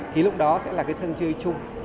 thì lúc đó sẽ là cái sân chơi chung